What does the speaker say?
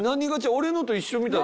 俺のと一緒みたい。